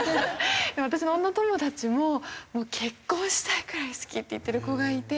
私の女友達も結婚したいくらい好きって言ってる子がいて。